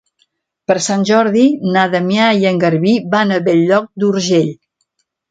Per Sant Jordi na Damià i en Garbí van a Bell-lloc d'Urgell.